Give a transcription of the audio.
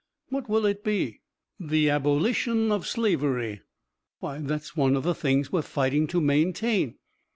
"What will it be?" "The abolition of slavery." "Why, that's one of the things we're fighting to maintain!"